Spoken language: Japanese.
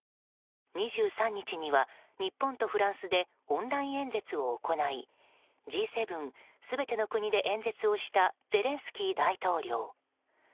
２３日には、日本とフランスでオンライン演説を行いＧ７全ての国で演説をしたゼレンスキー大統領。